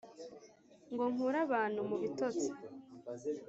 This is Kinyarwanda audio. ngo nkure abantu mu bitotsi